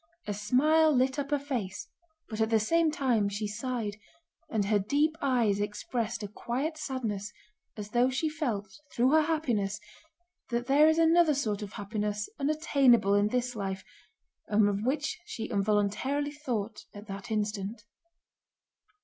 A smile lit up her face but at the same time she sighed, and her deep eyes expressed a quiet sadness as though she felt, through her happiness, that there is another sort of happiness unattainable in this life and of which she involuntarily thought at that instant.